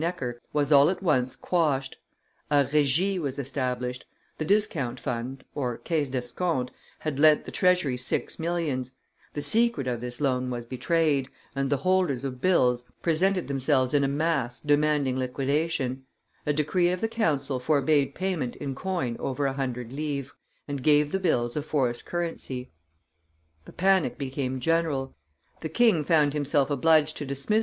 Necker, was all at once quashed; a regie was established; the Discount fund (_Caisse d'Escompte+) had lent the treasury six millions: the secret of this loan was betrayed, and the holders of bills presented themselves in a mass demanding liquidation; a decree of the council forbade payment in coin over a hundred livres, and gave the bills a forced currency. The panic became general; the king found himself obliged to dismiss M.